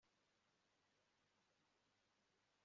yamukurikiye mu rugo